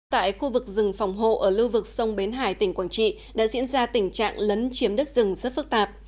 tại khu vực rừng phòng hộ ở lưu vực sông bến hải tỉnh quảng trị đã diễn ra tình trạng lấn chiếm đất rừng rất phức tạp